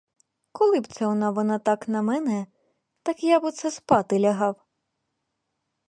Коли б це вона так на мене, так я б оце спати лягав?